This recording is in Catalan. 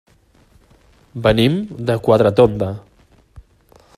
Venim de Quatretonda.